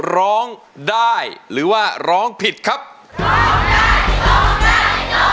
ของข้าของข้า